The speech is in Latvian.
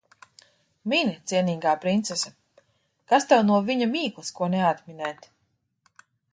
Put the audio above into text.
Mini, cienīgā princese. Kas tev no viņa mīklas ko neatminēt.